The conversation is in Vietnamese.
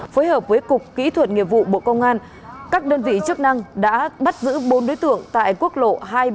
phối hợp với cục kỹ thuật nghiệp vụ bộ công an các đơn vị chức năng đã bắt giữ bốn đối tượng tại quốc lộ hai trăm bảy mươi bảy